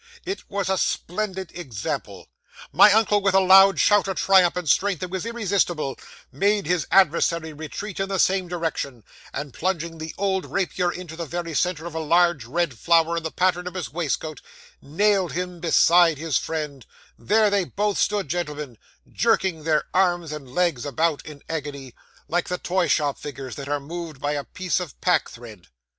It was a splendid example. My uncle, with a loud shout of triumph, and a strength that was irresistible, made his adversary retreat in the same direction, and plunging the old rapier into the very centre of a large red flower in the pattern of his waistcoat, nailed him beside his friend; there they both stood, gentlemen, jerking their arms and legs about in agony, like the toy shop figures that are moved by a piece of pack thread.